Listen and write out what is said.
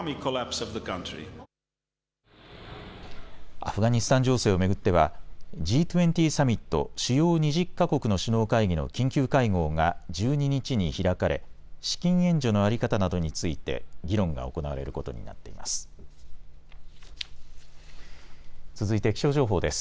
アフガニスタン情勢を巡ってはＧ２０サミット・主要２０か国の首脳会議の緊急会合が１２日に開かれ、資金援助の在り方などについて議論が行われることになっています。